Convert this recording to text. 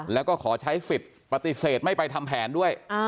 แล้วก็ขอใช้สิทธิ์ปฏิเสธไม่ไปทำแผนด้วย